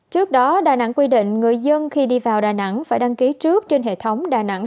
trước đó đà nẵng quy định người dân khi đi vào đà nẵng phải đăng ký trước trên hệ thống đà nẵng